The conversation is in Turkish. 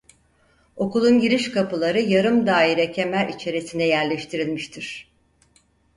Okulun giriş kapıları yarım daire kemer içerisine yerleştirilmiştir.